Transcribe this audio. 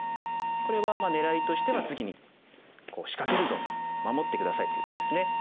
これはねらいとしては次に仕掛けるぞと守って下さいという手ですね。